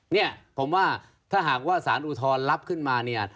เนี่ยผมว่าถ้าหากว่าสารอุทธรณ์รับขึ้นมาเนี่ย